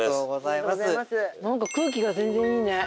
なんか空気が全然いいね。